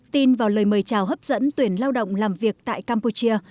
tin vào lời mời chào hấp dẫn tuyển lao động làm việc tại campuchia